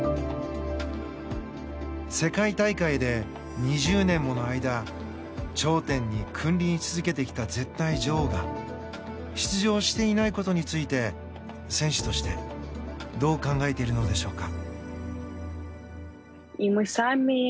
世界大会で２０年もの間頂点に君臨し続けてきた絶対的女王が出場していないことについて選手としてどう考えているのでしょうか。